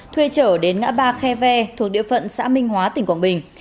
thuê trở đến ngã ba khe ve thuộc địa phận xã minh hóa tỉnh quảng bình